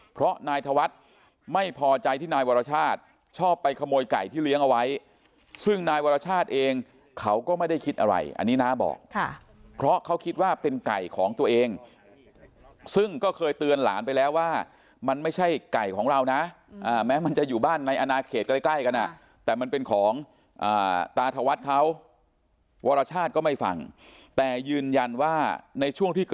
เพราะนายธวัฒน์ไม่พอใจที่นายวรชาติชอบไปขโมยไก่ที่เลี้ยงเอาไว้ซึ่งนายวรชาติเองเขาก็ไม่ได้คิดอะไรอันนี้น้าบอกเพราะเขาคิดว่าเป็นไก่ของตัวเองซึ่งก็เคยเตือนหลานไปแล้วว่ามันไม่ใช่ไก่ของเรานะแม้มันจะอยู่บ้านในอนาเขตใกล้กันแต่มันเป็นของตาธวัฒน์เขาวรชาติก็ไม่ฟังแต่ยืนยันว่าในช่วงที่ก